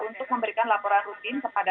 untuk memberikan laporan rutin kepada